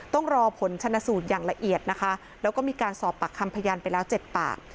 ต้องรอผลชนสูตรอย่างละเอียดนะคะแล้วก็มีการสอบปากคำพยานไปแล้ว๗ปาก